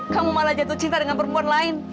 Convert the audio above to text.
kamu malah jatuh cinta dengan perempuan lain